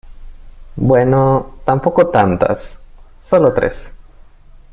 bueno, tampoco tantas , solo tres.